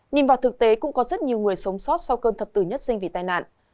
nhìn vào thực tế cũng có rất nhiều người sống sót sau cơn thập tử nhất sinh vì tai nạn